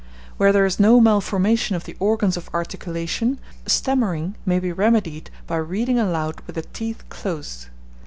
Where there is no malformation of the organs of articulation, stammering may be remedied by reading aloud with the teeth closed.